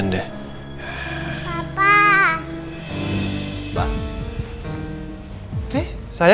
tidak ada yang bisa dikira